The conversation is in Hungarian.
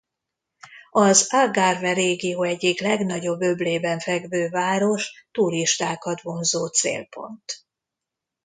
Az Algarve régió egyik legnagyobb öblében fekvő város turistákat vonzó célpont.